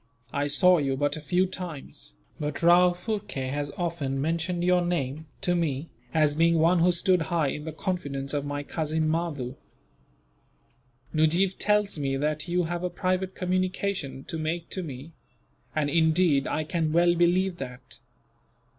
"I saw you but a few times, but Rao Phurkay has often mentioned your name, to me, as being one who stood high in the confidence of my cousin Mahdoo. Nujeef tells me that you have a private communication to make to me; and indeed, I can well believe that.